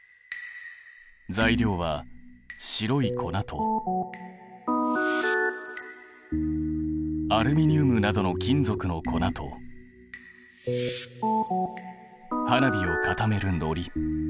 材料は白い粉とアルミニウムなどの金属の粉と花火を固めるのり。